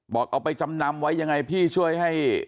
เอาไปจำนำไว้ยังไงพี่ช่วยให้